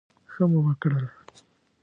ښه مو وکړل.